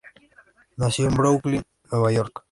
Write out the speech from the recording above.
Nació en Brooklyn, Nueva York.